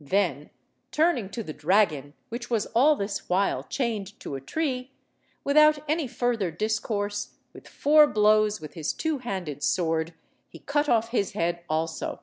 Then turning to the dragon, which was all this while chained to a tree, without any further discourse, with four blows with his two–handed sword, he cut off his head also.